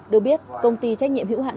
được biết công ty trách nhiệm hữu hạn